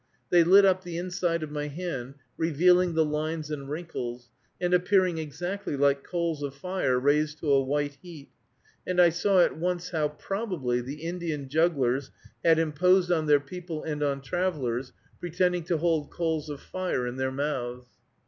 They lit up the inside of my hand, revealing the lines and wrinkles, and appearing exactly like coals of fire raised to a white heat, and I saw at once how, probably, the Indian jugglers had imposed on their people and on travelers, pretending to hold coals of fire in their mouths.